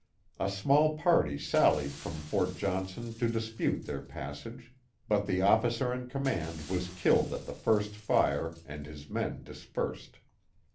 A small party sallied from Fort Johnson to dispute their passage, but the officer in command was killed at the first fire and his men dispersed.